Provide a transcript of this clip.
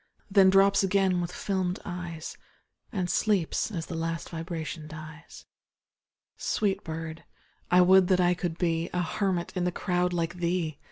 Then drops again with fdmed eyes, And sleeps as the last vibration dies. a (89) Sweet bird ! I would that I could be A hermit in the crowd like thee